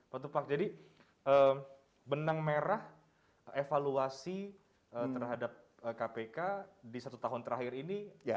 pak tupak jadi benang merah evaluasi terhadap kpk di satu tahun terakhir ini